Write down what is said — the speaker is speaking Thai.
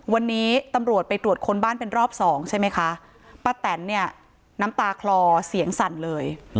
วันนี้ตำรวจไปตรวจค้นบ้านเป็นรอบสองใช่ไหมคะป้าแตนเนี่ยน้ำตาคลอเสียงสั่นเลย